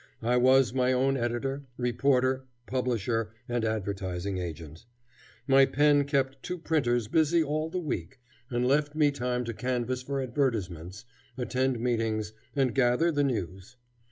I was my own editor, reporter, publisher, and advertising agent. My pen kept two printers busy all the week, and left me time to canvass for advertisements, attend meetings, and gather the news.